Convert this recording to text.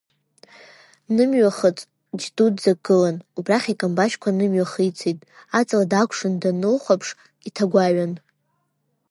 Нымҩахыҵ џь-дуӡӡак гылан, убрахь икамбашьқәа нымҩахицеит, аҵла даакәшан данлахәаԥш, иҭагәаҩан.